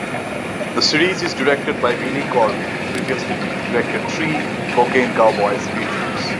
The series is directed by Billy Corben who previously directed three "Cocaine Cowboys" features.